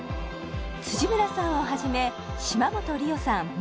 辻村さんをはじめ島本理生さん